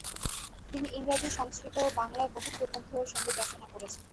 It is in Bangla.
তিনি ইংরাজী, সংস্কৃত ও বাংলায় বহু প্রবন্ধ ও সঙ্গীত রচনা করেছেন।